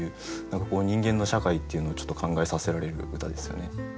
何かこう人間の社会っていうのをちょっと考えさせられる歌ですよね。